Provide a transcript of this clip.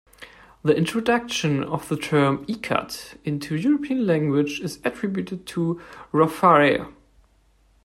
The introduction of the term "ikat" into European language is attributed to Rouffaer.